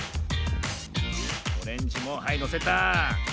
オレンジもはいのせた。